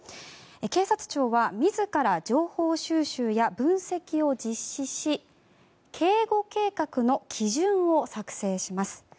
警察庁は自ら情報収集や分析を実施し警護計画の基準を作成します。